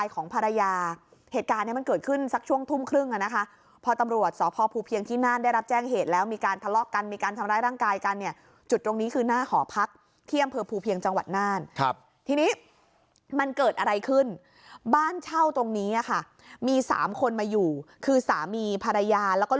ของภรรยาเหตุการณ์เนี้ยมันเกิดขึ้นสักช่วงทุ่มครึ่งอ่ะนะคะพอตำรวจสพภูเพียงที่น่านได้รับแจ้งเหตุแล้วมีการทะเลาะกันมีการทำร้ายร่างกายกันเนี่ยจุดตรงนี้คือหน้าหอพักที่อำเภอภูเพียงจังหวัดน่านครับทีนี้มันเกิดอะไรขึ้นบ้านเช่าตรงนี้ค่ะมีสามคนมาอยู่คือสามีภรรยาแล้วก็